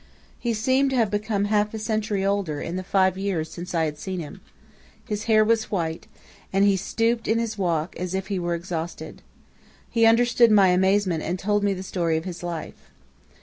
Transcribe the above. He seemed to have become half a century older in the five years since I had seen him. His hair was white, and he stooped in his walk, as if he were exhausted. He understood my amazement and told me the story of his life.